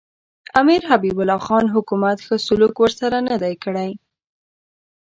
امیر حبیب الله خان حکومت ښه سلوک ورسره نه دی کړی.